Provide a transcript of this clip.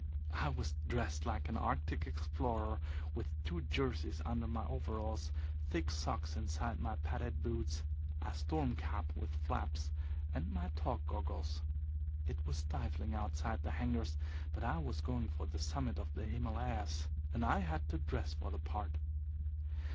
I was dressed like an Arctic explorer, with two jerseys under my overalls, thick socks inside my padded boots, a storm cap with flaps, and my talc goggles. It was stifling outside the hangars, but I was going for the summit of the Himalayas, and had to dress for the part.